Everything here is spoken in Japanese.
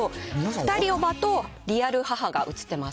２人叔母と、リアル母が写ってます。